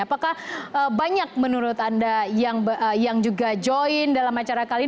apakah banyak menurut anda yang juga join dalam acara kali ini